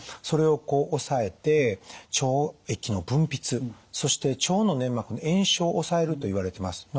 それをこう抑えて腸液の分泌そして腸の粘膜の炎症を抑えるといわれてます。